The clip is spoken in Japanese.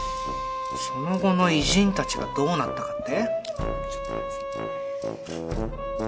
その後の偉人たちがどうなったかって？